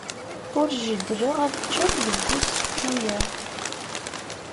Ur jeddleɣ ad ččeɣ deg usečču-a.